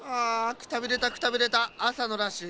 くたびれたくたびれたあさのラッシュ